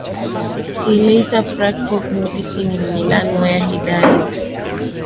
He later practised medicine in Milan, where he died.